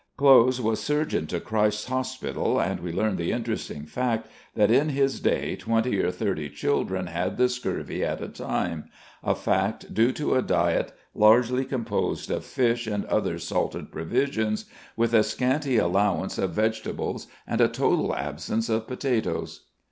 Clowes was surgeon to Christ's Hospital, and we learn the interesting fact that in his day twenty or thirty children had the scurvy at a time a fact due to a diet largely composed of fish and other salted provisions, with a scanty allowance of vegetables and a total absence of potatoes.